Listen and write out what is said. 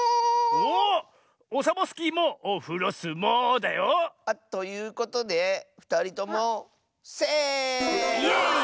おっオサボスキーもオフロスモウーだよ。ということでふたりともセーフ！